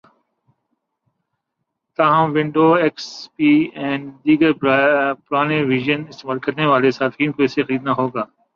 تاہم Windows, X P یا دیگر پرانے ورژن استعمال کرنے والے صارفین کو اسے خریدنا ہوگا